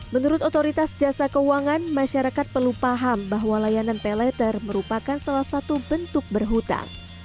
menurut otoritas jasa keuangan masyarakat perlu paham bahwa layanan pay letter merupakan salah satu bentuk berhutang